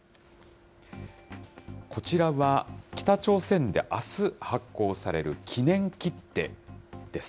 こちらは、北朝鮮であす、発行される記念切手です。